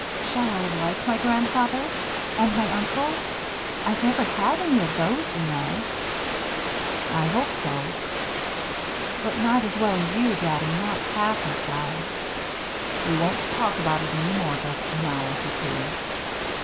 "Shall I like my grandfather? And my uncle? I've never had any of those, you know." "I hope so." "But not as well as you, Daddy, not half as well " "We won't talk about it any more just now, if you please.